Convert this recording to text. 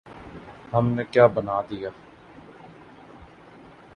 ہم نے کیا بنا دیا؟